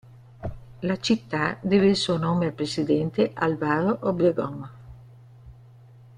La città deve il suo nome al Presidente Álvaro Obregón.